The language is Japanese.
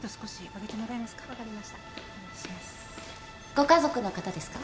ご家族の方ですか？